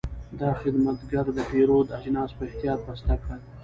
دا خدمتګر د پیرود اجناس په احتیاط بسته کړل.